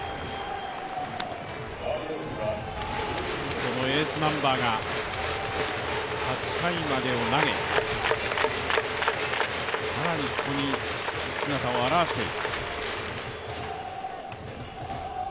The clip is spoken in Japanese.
このエースナンバーが８回までを投げ、更にここに姿を現している。